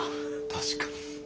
確かに。